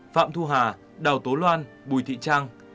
phạm thu hà đào tố loan bùi thị trang